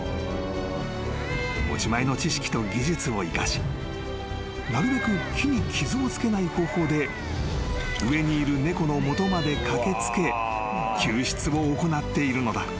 ［持ち前の知識と技術を生かしなるべく木に傷を付けない方法で上にいる猫の元まで駆け付け救出を行っているのだ］